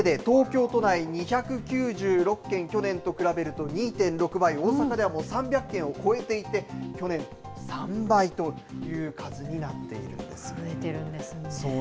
ことしだけで東京都内２９６件去年と比べると２．６倍大阪では３００件を超えていて去年の３倍という数に増えているんですね。